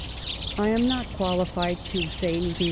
I am not qualified to say anything about 1 ^^'^.